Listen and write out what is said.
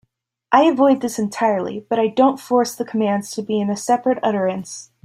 I avoid this entirely, but I don't force the commands to be in a separate utterance.